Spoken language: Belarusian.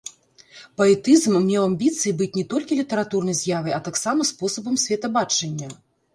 Паэтызм меў амбіцыі быць не толькі літаратурнай з'явай, а таксама спосабам светабачання.